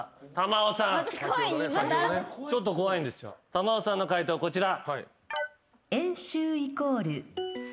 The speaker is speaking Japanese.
珠緒さんの解答こちら。